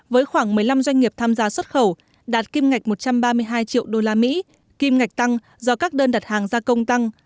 với khoảng một mươi năm doanh nghiệp tham gia xuất khẩu đạt kim ngạch một trăm ba mươi hai triệu usd kim ngạch tăng do các đơn đặt hàng gia công tăng